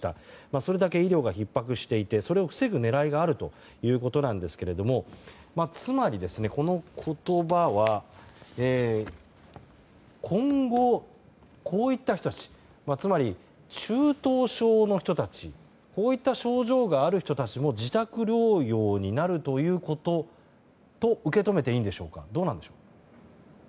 それだけ医療がひっ迫していてそれを防ぐ狙いがあるということなんですがつまり、この言葉は今後、こういった人たちつまり、中等症の人たちこういった症状がある人たちも自宅療養になるということと受け止めていいんでしょうか？